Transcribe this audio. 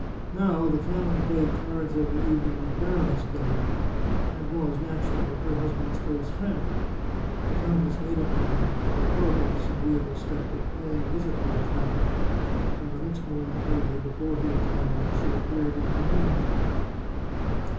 Now, the canon played cards every evening with Baroness Binder, and was, naturally, her hus band's close friend. The countess made up her mind to the horribly disagreeable step of paying a visit to the canon, 89 The Chartreuse of Parma and the next morning early, before he had gone out, she appeared in his rooms.